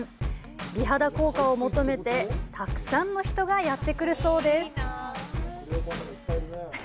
美肌効果を求めてたくさんの人がやってくるそうです。